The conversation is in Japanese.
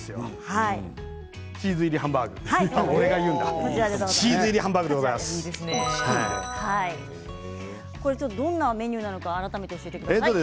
チーズ入りどんなメニューなのか改めて教えてください。